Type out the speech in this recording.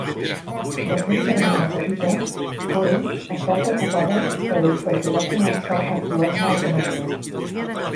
La seva germana petita, Corey, està preocupada per ell perquè va començar a actuar d'una altra manera.